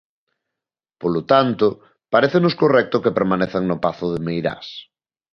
Polo tanto, parécenos correcto que permanezan no pazo de Meirás.